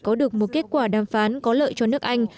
có được một kết quả đàm phán có lợi cho nước anh